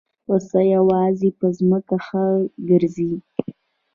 پسه یوازې په ځمکه ښه ګرځي.